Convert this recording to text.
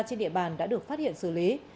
trên địa bàn đã được phát hiện xử lý